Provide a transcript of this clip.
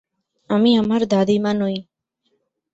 আমি আমার দাদীমা নই।